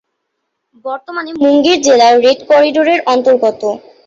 বর্তমানে মুঙ্গের জেলা রেড করিডোরের অন্তর্গত।